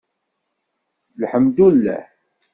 Lḥemdulleh.